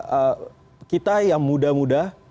artinya bahwa kita yang muda muda